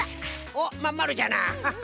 おっまんまるじゃな！